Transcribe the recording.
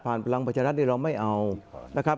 ผ่านพลังประชารัฐนี่เราไม่เอา